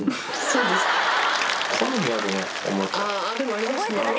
そうですね。